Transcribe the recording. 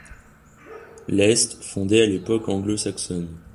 L' est fondée à l'époque anglo-saxonne.